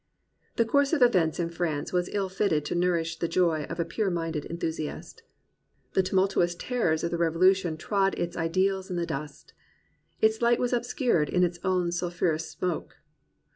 The course of events in France was ill fitted to nourish the joy of a pure minded enthusiast. The tumultuous terrors of the Revolution trod its ideals in the dust. Its light was obscured in its own sul phurous smoke.